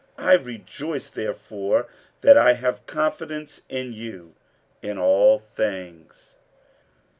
47:007:016 I rejoice therefore that I have confidence in you in all things.